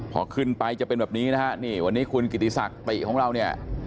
พอขึ้นไปจะเป็นแบบนี้นะฮะนี่วันนี้คุณกิติศักดิ์ติของเราเนี่ย